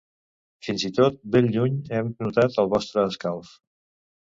Fins i tot ben lluny hem notat el vostre escalf.